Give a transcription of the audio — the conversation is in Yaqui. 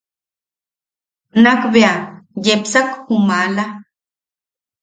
Nakbea yepsak ju maala.